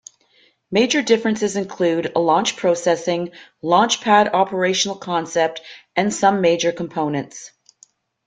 Major differences include launch processing, launch pad operational concept, and some major components.